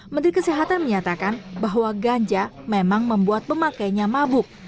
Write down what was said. menteri kesehatan menyatakan bahwa ganja memang membuat pemakainya mabuk